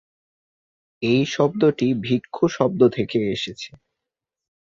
এই শব্দটি ‘ভিক্ষু’ শব্দ থেকে এসেছে।